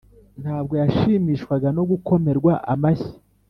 ntabwo yashimishwaga no gukomerwa amashyi,